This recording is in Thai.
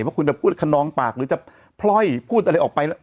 เพราะคุณจะพูดขนองปากหรือจะพล่อยพูดอะไรออกไป